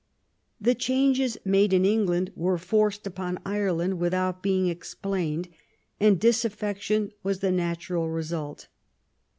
The changes made in England were forced upon Ireland without being explained; and disaffection was the natural result.